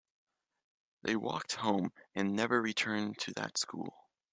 They walked home, and never returned to that school.